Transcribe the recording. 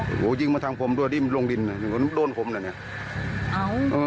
โอ้ยยิงมาทางผมด้วยนี่มันลงดินโดนผมแหละเนี่ยอ๋อ